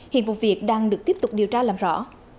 hiện vụ việc đang được tiếp tục điều tra làm rõ